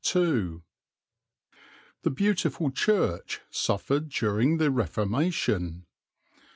The beautiful church suffered during the Reformation.